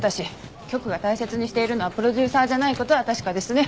局が大切にしているのはプロデューサーじゃないことは確かですね。